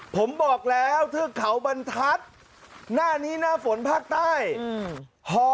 ผมบอกแล้วเทือกเขาบรรทัศน์หน้านี้หน้าฝนภาคใต้